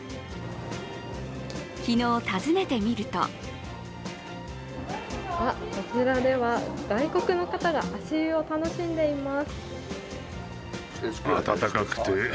昨日、訪ねてみるとこちらでは、外国の方が足湯を楽しんでいます。